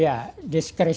iya diskresi itu ada juga